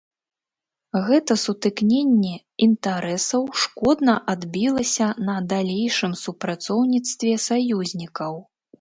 Гэта сутыкненне інтарэсаў шкодна адбілася на далейшым супрацоўніцтве саюзнікаў.